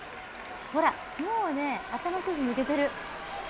ほら、もうね、頭１つ抜けてる。